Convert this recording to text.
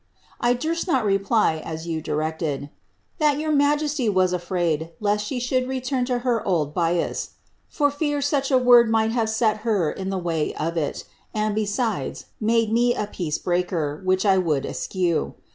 I durst not reply, as you directed, * that your msgesty was afraid, lest she should return to her old bias,^ for fear such a word might have set her in the way of it, and, besides, made me a peace breaker, which I would eschew.